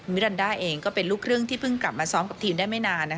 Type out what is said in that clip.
รันดาเองก็เป็นลูกครึ่งที่เพิ่งกลับมาซ้อมกับทีมได้ไม่นาน